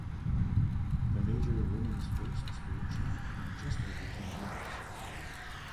The major women's firsts were achieved in just over ten years.